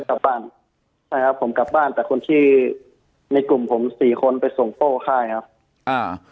ใช่ครับผมกลับบ้านแต่คนที่ในกลุ่มผมสี่คนไปส่งโต้ค่ายครับ